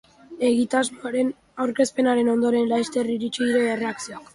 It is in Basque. Egitasmoaren aurkezpenaren ondoren, laster iritsi dira erreakzioak.